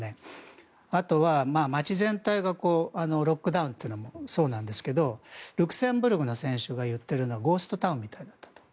あとは街全体がロックダウンというのもそうなんですがルクセンブルクの選手が言っているのはゴーストタウンみたいだったと。